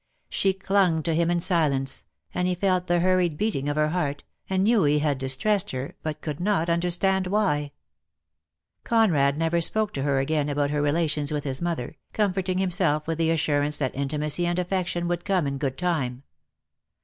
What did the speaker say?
She clung to him in silence, and he felt the hurried beat ing of her heart, and knew he had distressed her, but could not understand why. DEAD LOVE HAS CHAINS. 20$ Conrad never spoke to her again about her relations with his mother, comforting himself with the assurance that intimacy and affection would come in good time.